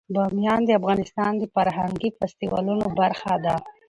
بامیان د افغانستان د فرهنګي فستیوالونو برخه ده.